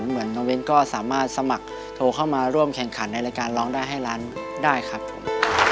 เหมือนน้องเว้นก็สามารถสมัครโทรเข้ามาร่วมแข่งขันในรายการร้องได้ให้ล้านได้ครับผม